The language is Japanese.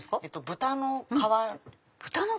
豚の皮。